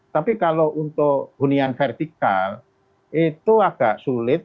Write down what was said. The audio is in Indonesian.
tapi kalau untuk hunian vertikal itu agak sulit